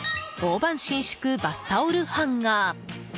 大判伸縮バスタオルハンガー。